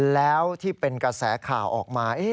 แล้วที่เป็นกระแสข่าวออกมา